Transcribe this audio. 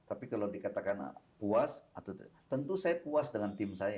tapi kalau dikatakan puas tentu saya puas dengan tim saya